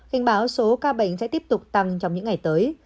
hình báo số ca bệnh sẽ tiếp tục tăng trong những ngày tới